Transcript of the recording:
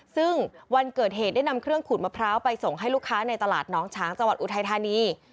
ซึ่งวันเกิดเหตุได้นำเครื่องขูดมะพร้าวไปส่งให้ลูกค้าในตลาดน้องช้างจังหวัดอุทัยธานี